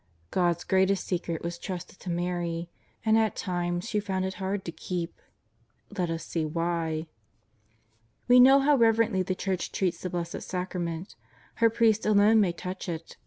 God's greatest secret was trusted to Mary, and at times she found it hard to keep. Let us see why. We know how reverently the Church treats the Blessed Sacrament. Her priests alone may touch it.